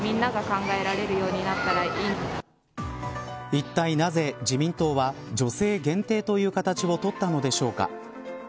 いったい、なぜ自民党は女性限定という形をとったのでしょうか。